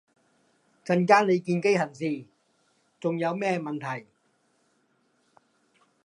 陣間你見機行事，重有咩問題？